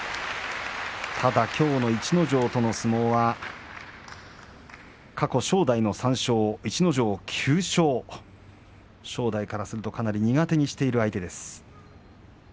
きょうの逸ノ城との相撲は過去、正代の３勝逸ノ城９勝正代からするとかなり苦手にしている相手です。